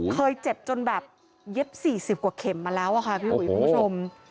เคยเจ็บจนแบบเย็บ๔๐กว่าเข็มมาแล้วค่ะพี่ผู้ชม